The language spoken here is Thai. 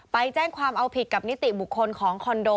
ไปแจ้งความเอาผิดกับนิติบุคคลของคอนโด